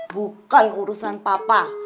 bukan urusan bapak